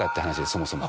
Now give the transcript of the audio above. そもそも。